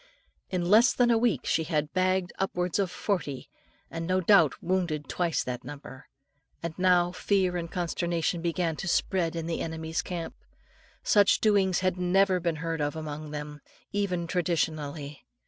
In less than a week, she had bagged upwards of forty, and no doubt wounded twice that number. And now fear and consternation began to spread in the enemies' camp. Such doings had never been heard of among them, even traditionally.